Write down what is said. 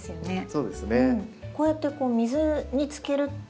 そうですね。